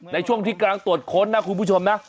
ในช่วงที่กำลังตรวจค้นนะคุณผู้ชมนะ